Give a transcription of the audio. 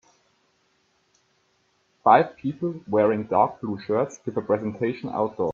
Five people, wearing dark blue shirts, give a presentation outdoors.